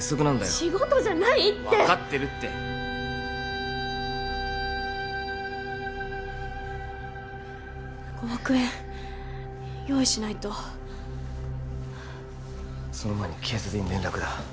仕事じゃないって分かってるって５億円用意しないとその前に警察に連絡だ